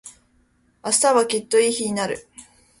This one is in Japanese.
明日はきっといい日になる。